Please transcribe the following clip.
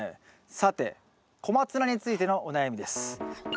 さてコマツナについてのお悩みです。え？